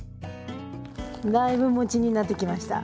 だいぶ餅になってきました。